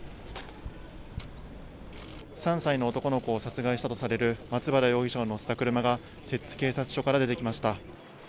３歳の男の子を殺害したとされる松原容疑者を乗せた車が、摂津警察署から出てきました。